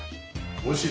「おいしい」